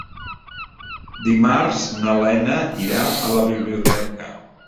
Dimarts na Lena irà a la biblioteca.